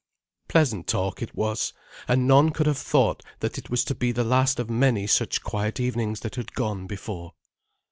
Pleasant talk it was, and none could have thought that it was to be the last of many such quiet evenings that had gone before.